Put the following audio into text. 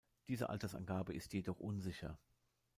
Diese Altersangabe ist jedoch unsicher.